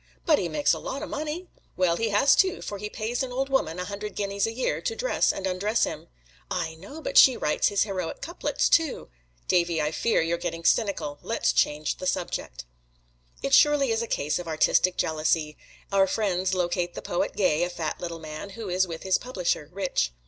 "But he makes a lot o' money!" "Well, he has to, for he pays an old woman a hundred guineas a year to dress and undress him." "I know, but she writes his heroic couplets, too!" "Davy, I fear you are getting cynical let's change the subject." It surely is a case of artistic jealousy. Our friends locate the poet Gay, a fat little man, who is with his publisher, Rich.